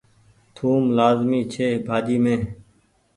ٿوم لآزمي ڇي ڀآڃي مين۔